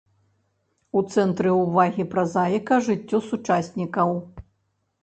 У цэнтры ўвагі празаіка жыццё сучаснікаў.